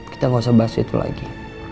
kita gak usah bahas itu lagi